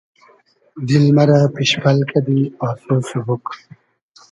دیل مئرۂ پیشپئل کئدی آسۉ سوبوگ